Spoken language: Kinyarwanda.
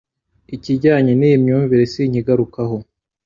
ikijyanye n'iyi myumvire sinkigarukaho